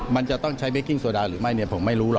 มันจะต้องใช้เบกกิ้งโซดาหรือไม่เนี่ยผมไม่รู้หรอก